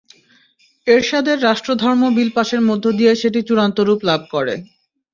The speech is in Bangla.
এরশাদের রাষ্ট্রধর্ম বিল পাসের মধ্য দিয়ে সেটি চূড়ান্ত রূপ লাভ করে।